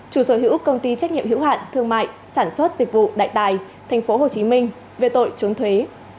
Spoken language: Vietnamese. chủ sở hữu công ty trách nhiệm hữu hạn thương mại sản xuất dịch vụ đại tài tp hcm về tội trốn thuế